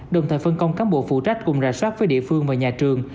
đồng thời phân công cán bộ phụ trách cùng rà soát với địa phương và nhà trường